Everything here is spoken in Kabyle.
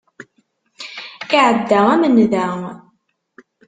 Iɛedda am nnda.